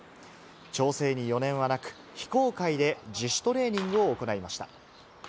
調整に余念はなく、非公開で自主トレーニングを行いました。